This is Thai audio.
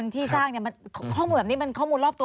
ที่สร้างข้อมูลแบบนี้มันข้อมูลรอบตัว